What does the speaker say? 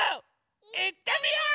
いってみよう！